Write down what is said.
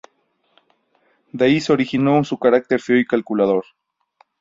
De ahí se originó su carácter frío y calculador.